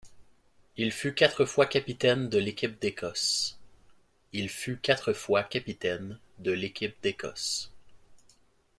Il fut quatre fois capitaine de l'équipe d'Écosse.